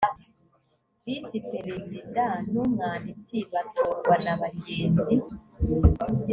visi perezida n umwanditsi batorwa na bagenzi